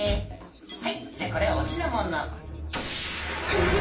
「はいじゃあこれお品物」え！